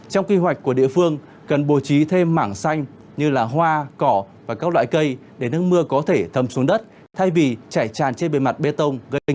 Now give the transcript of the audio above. trong kỳ hoạch của địa phương cần bố trí thêm mảng xanh như là hoa cỏ và các loại cây để nước mưa có thể thâm xuống đất thay vì chảy tràn trên bề mặt bê tông